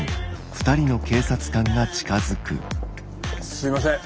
すいません。